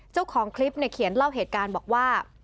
เจ้าของคลิปเนี่ยเขียนเล่าเหตุการณ์บอกว่า